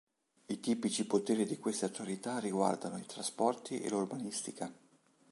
I tipici poteri di queste autorità riguardano i trasporti e l’urbanistica.